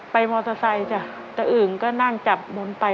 ไปมอเตอร์ไซด์อื่นก็นั่งจับบนไป